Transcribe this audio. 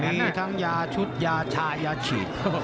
มีทั้งยาชุดยาชายาฉีด